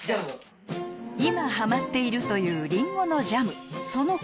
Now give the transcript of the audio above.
今ハマっているというりんごのジャム